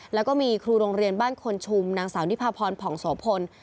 แล้วก็มีครูโรงเรียนบ้านคนชุมนางสาวนิพาพรผ่องโสพล